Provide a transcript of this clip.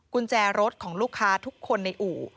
กุญแจรถของลูกค้าทุกคนในอู่